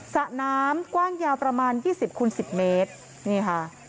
สระน้ำกว้างยาวประมาณยี่สิบคูณ๑๐เมตรนี่ค่ะ